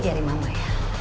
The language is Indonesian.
ini dari mama ya